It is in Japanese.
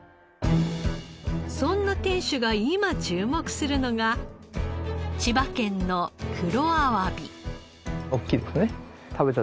そんな店主が今注目するのが千葉県の黒あわび。